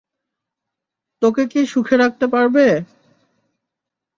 তোকে কি সুখে রাখতে পারবে?